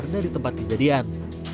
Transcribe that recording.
dari tempat kejadian